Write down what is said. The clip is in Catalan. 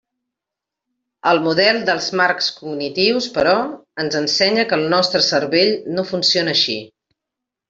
El model dels marcs cognitius, però, ens ensenya que el nostre cervell no funciona així.